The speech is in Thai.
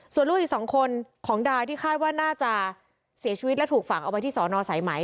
ส่วนลูกอีก๒คนของดายที่คาดว่าน่าจะเสียชีวิตและถูกฝังเอาไว้ที่สอนอสายไหม